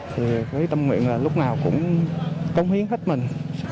thì với tâm nguyện là lúc nào cũng cống hiến hết mình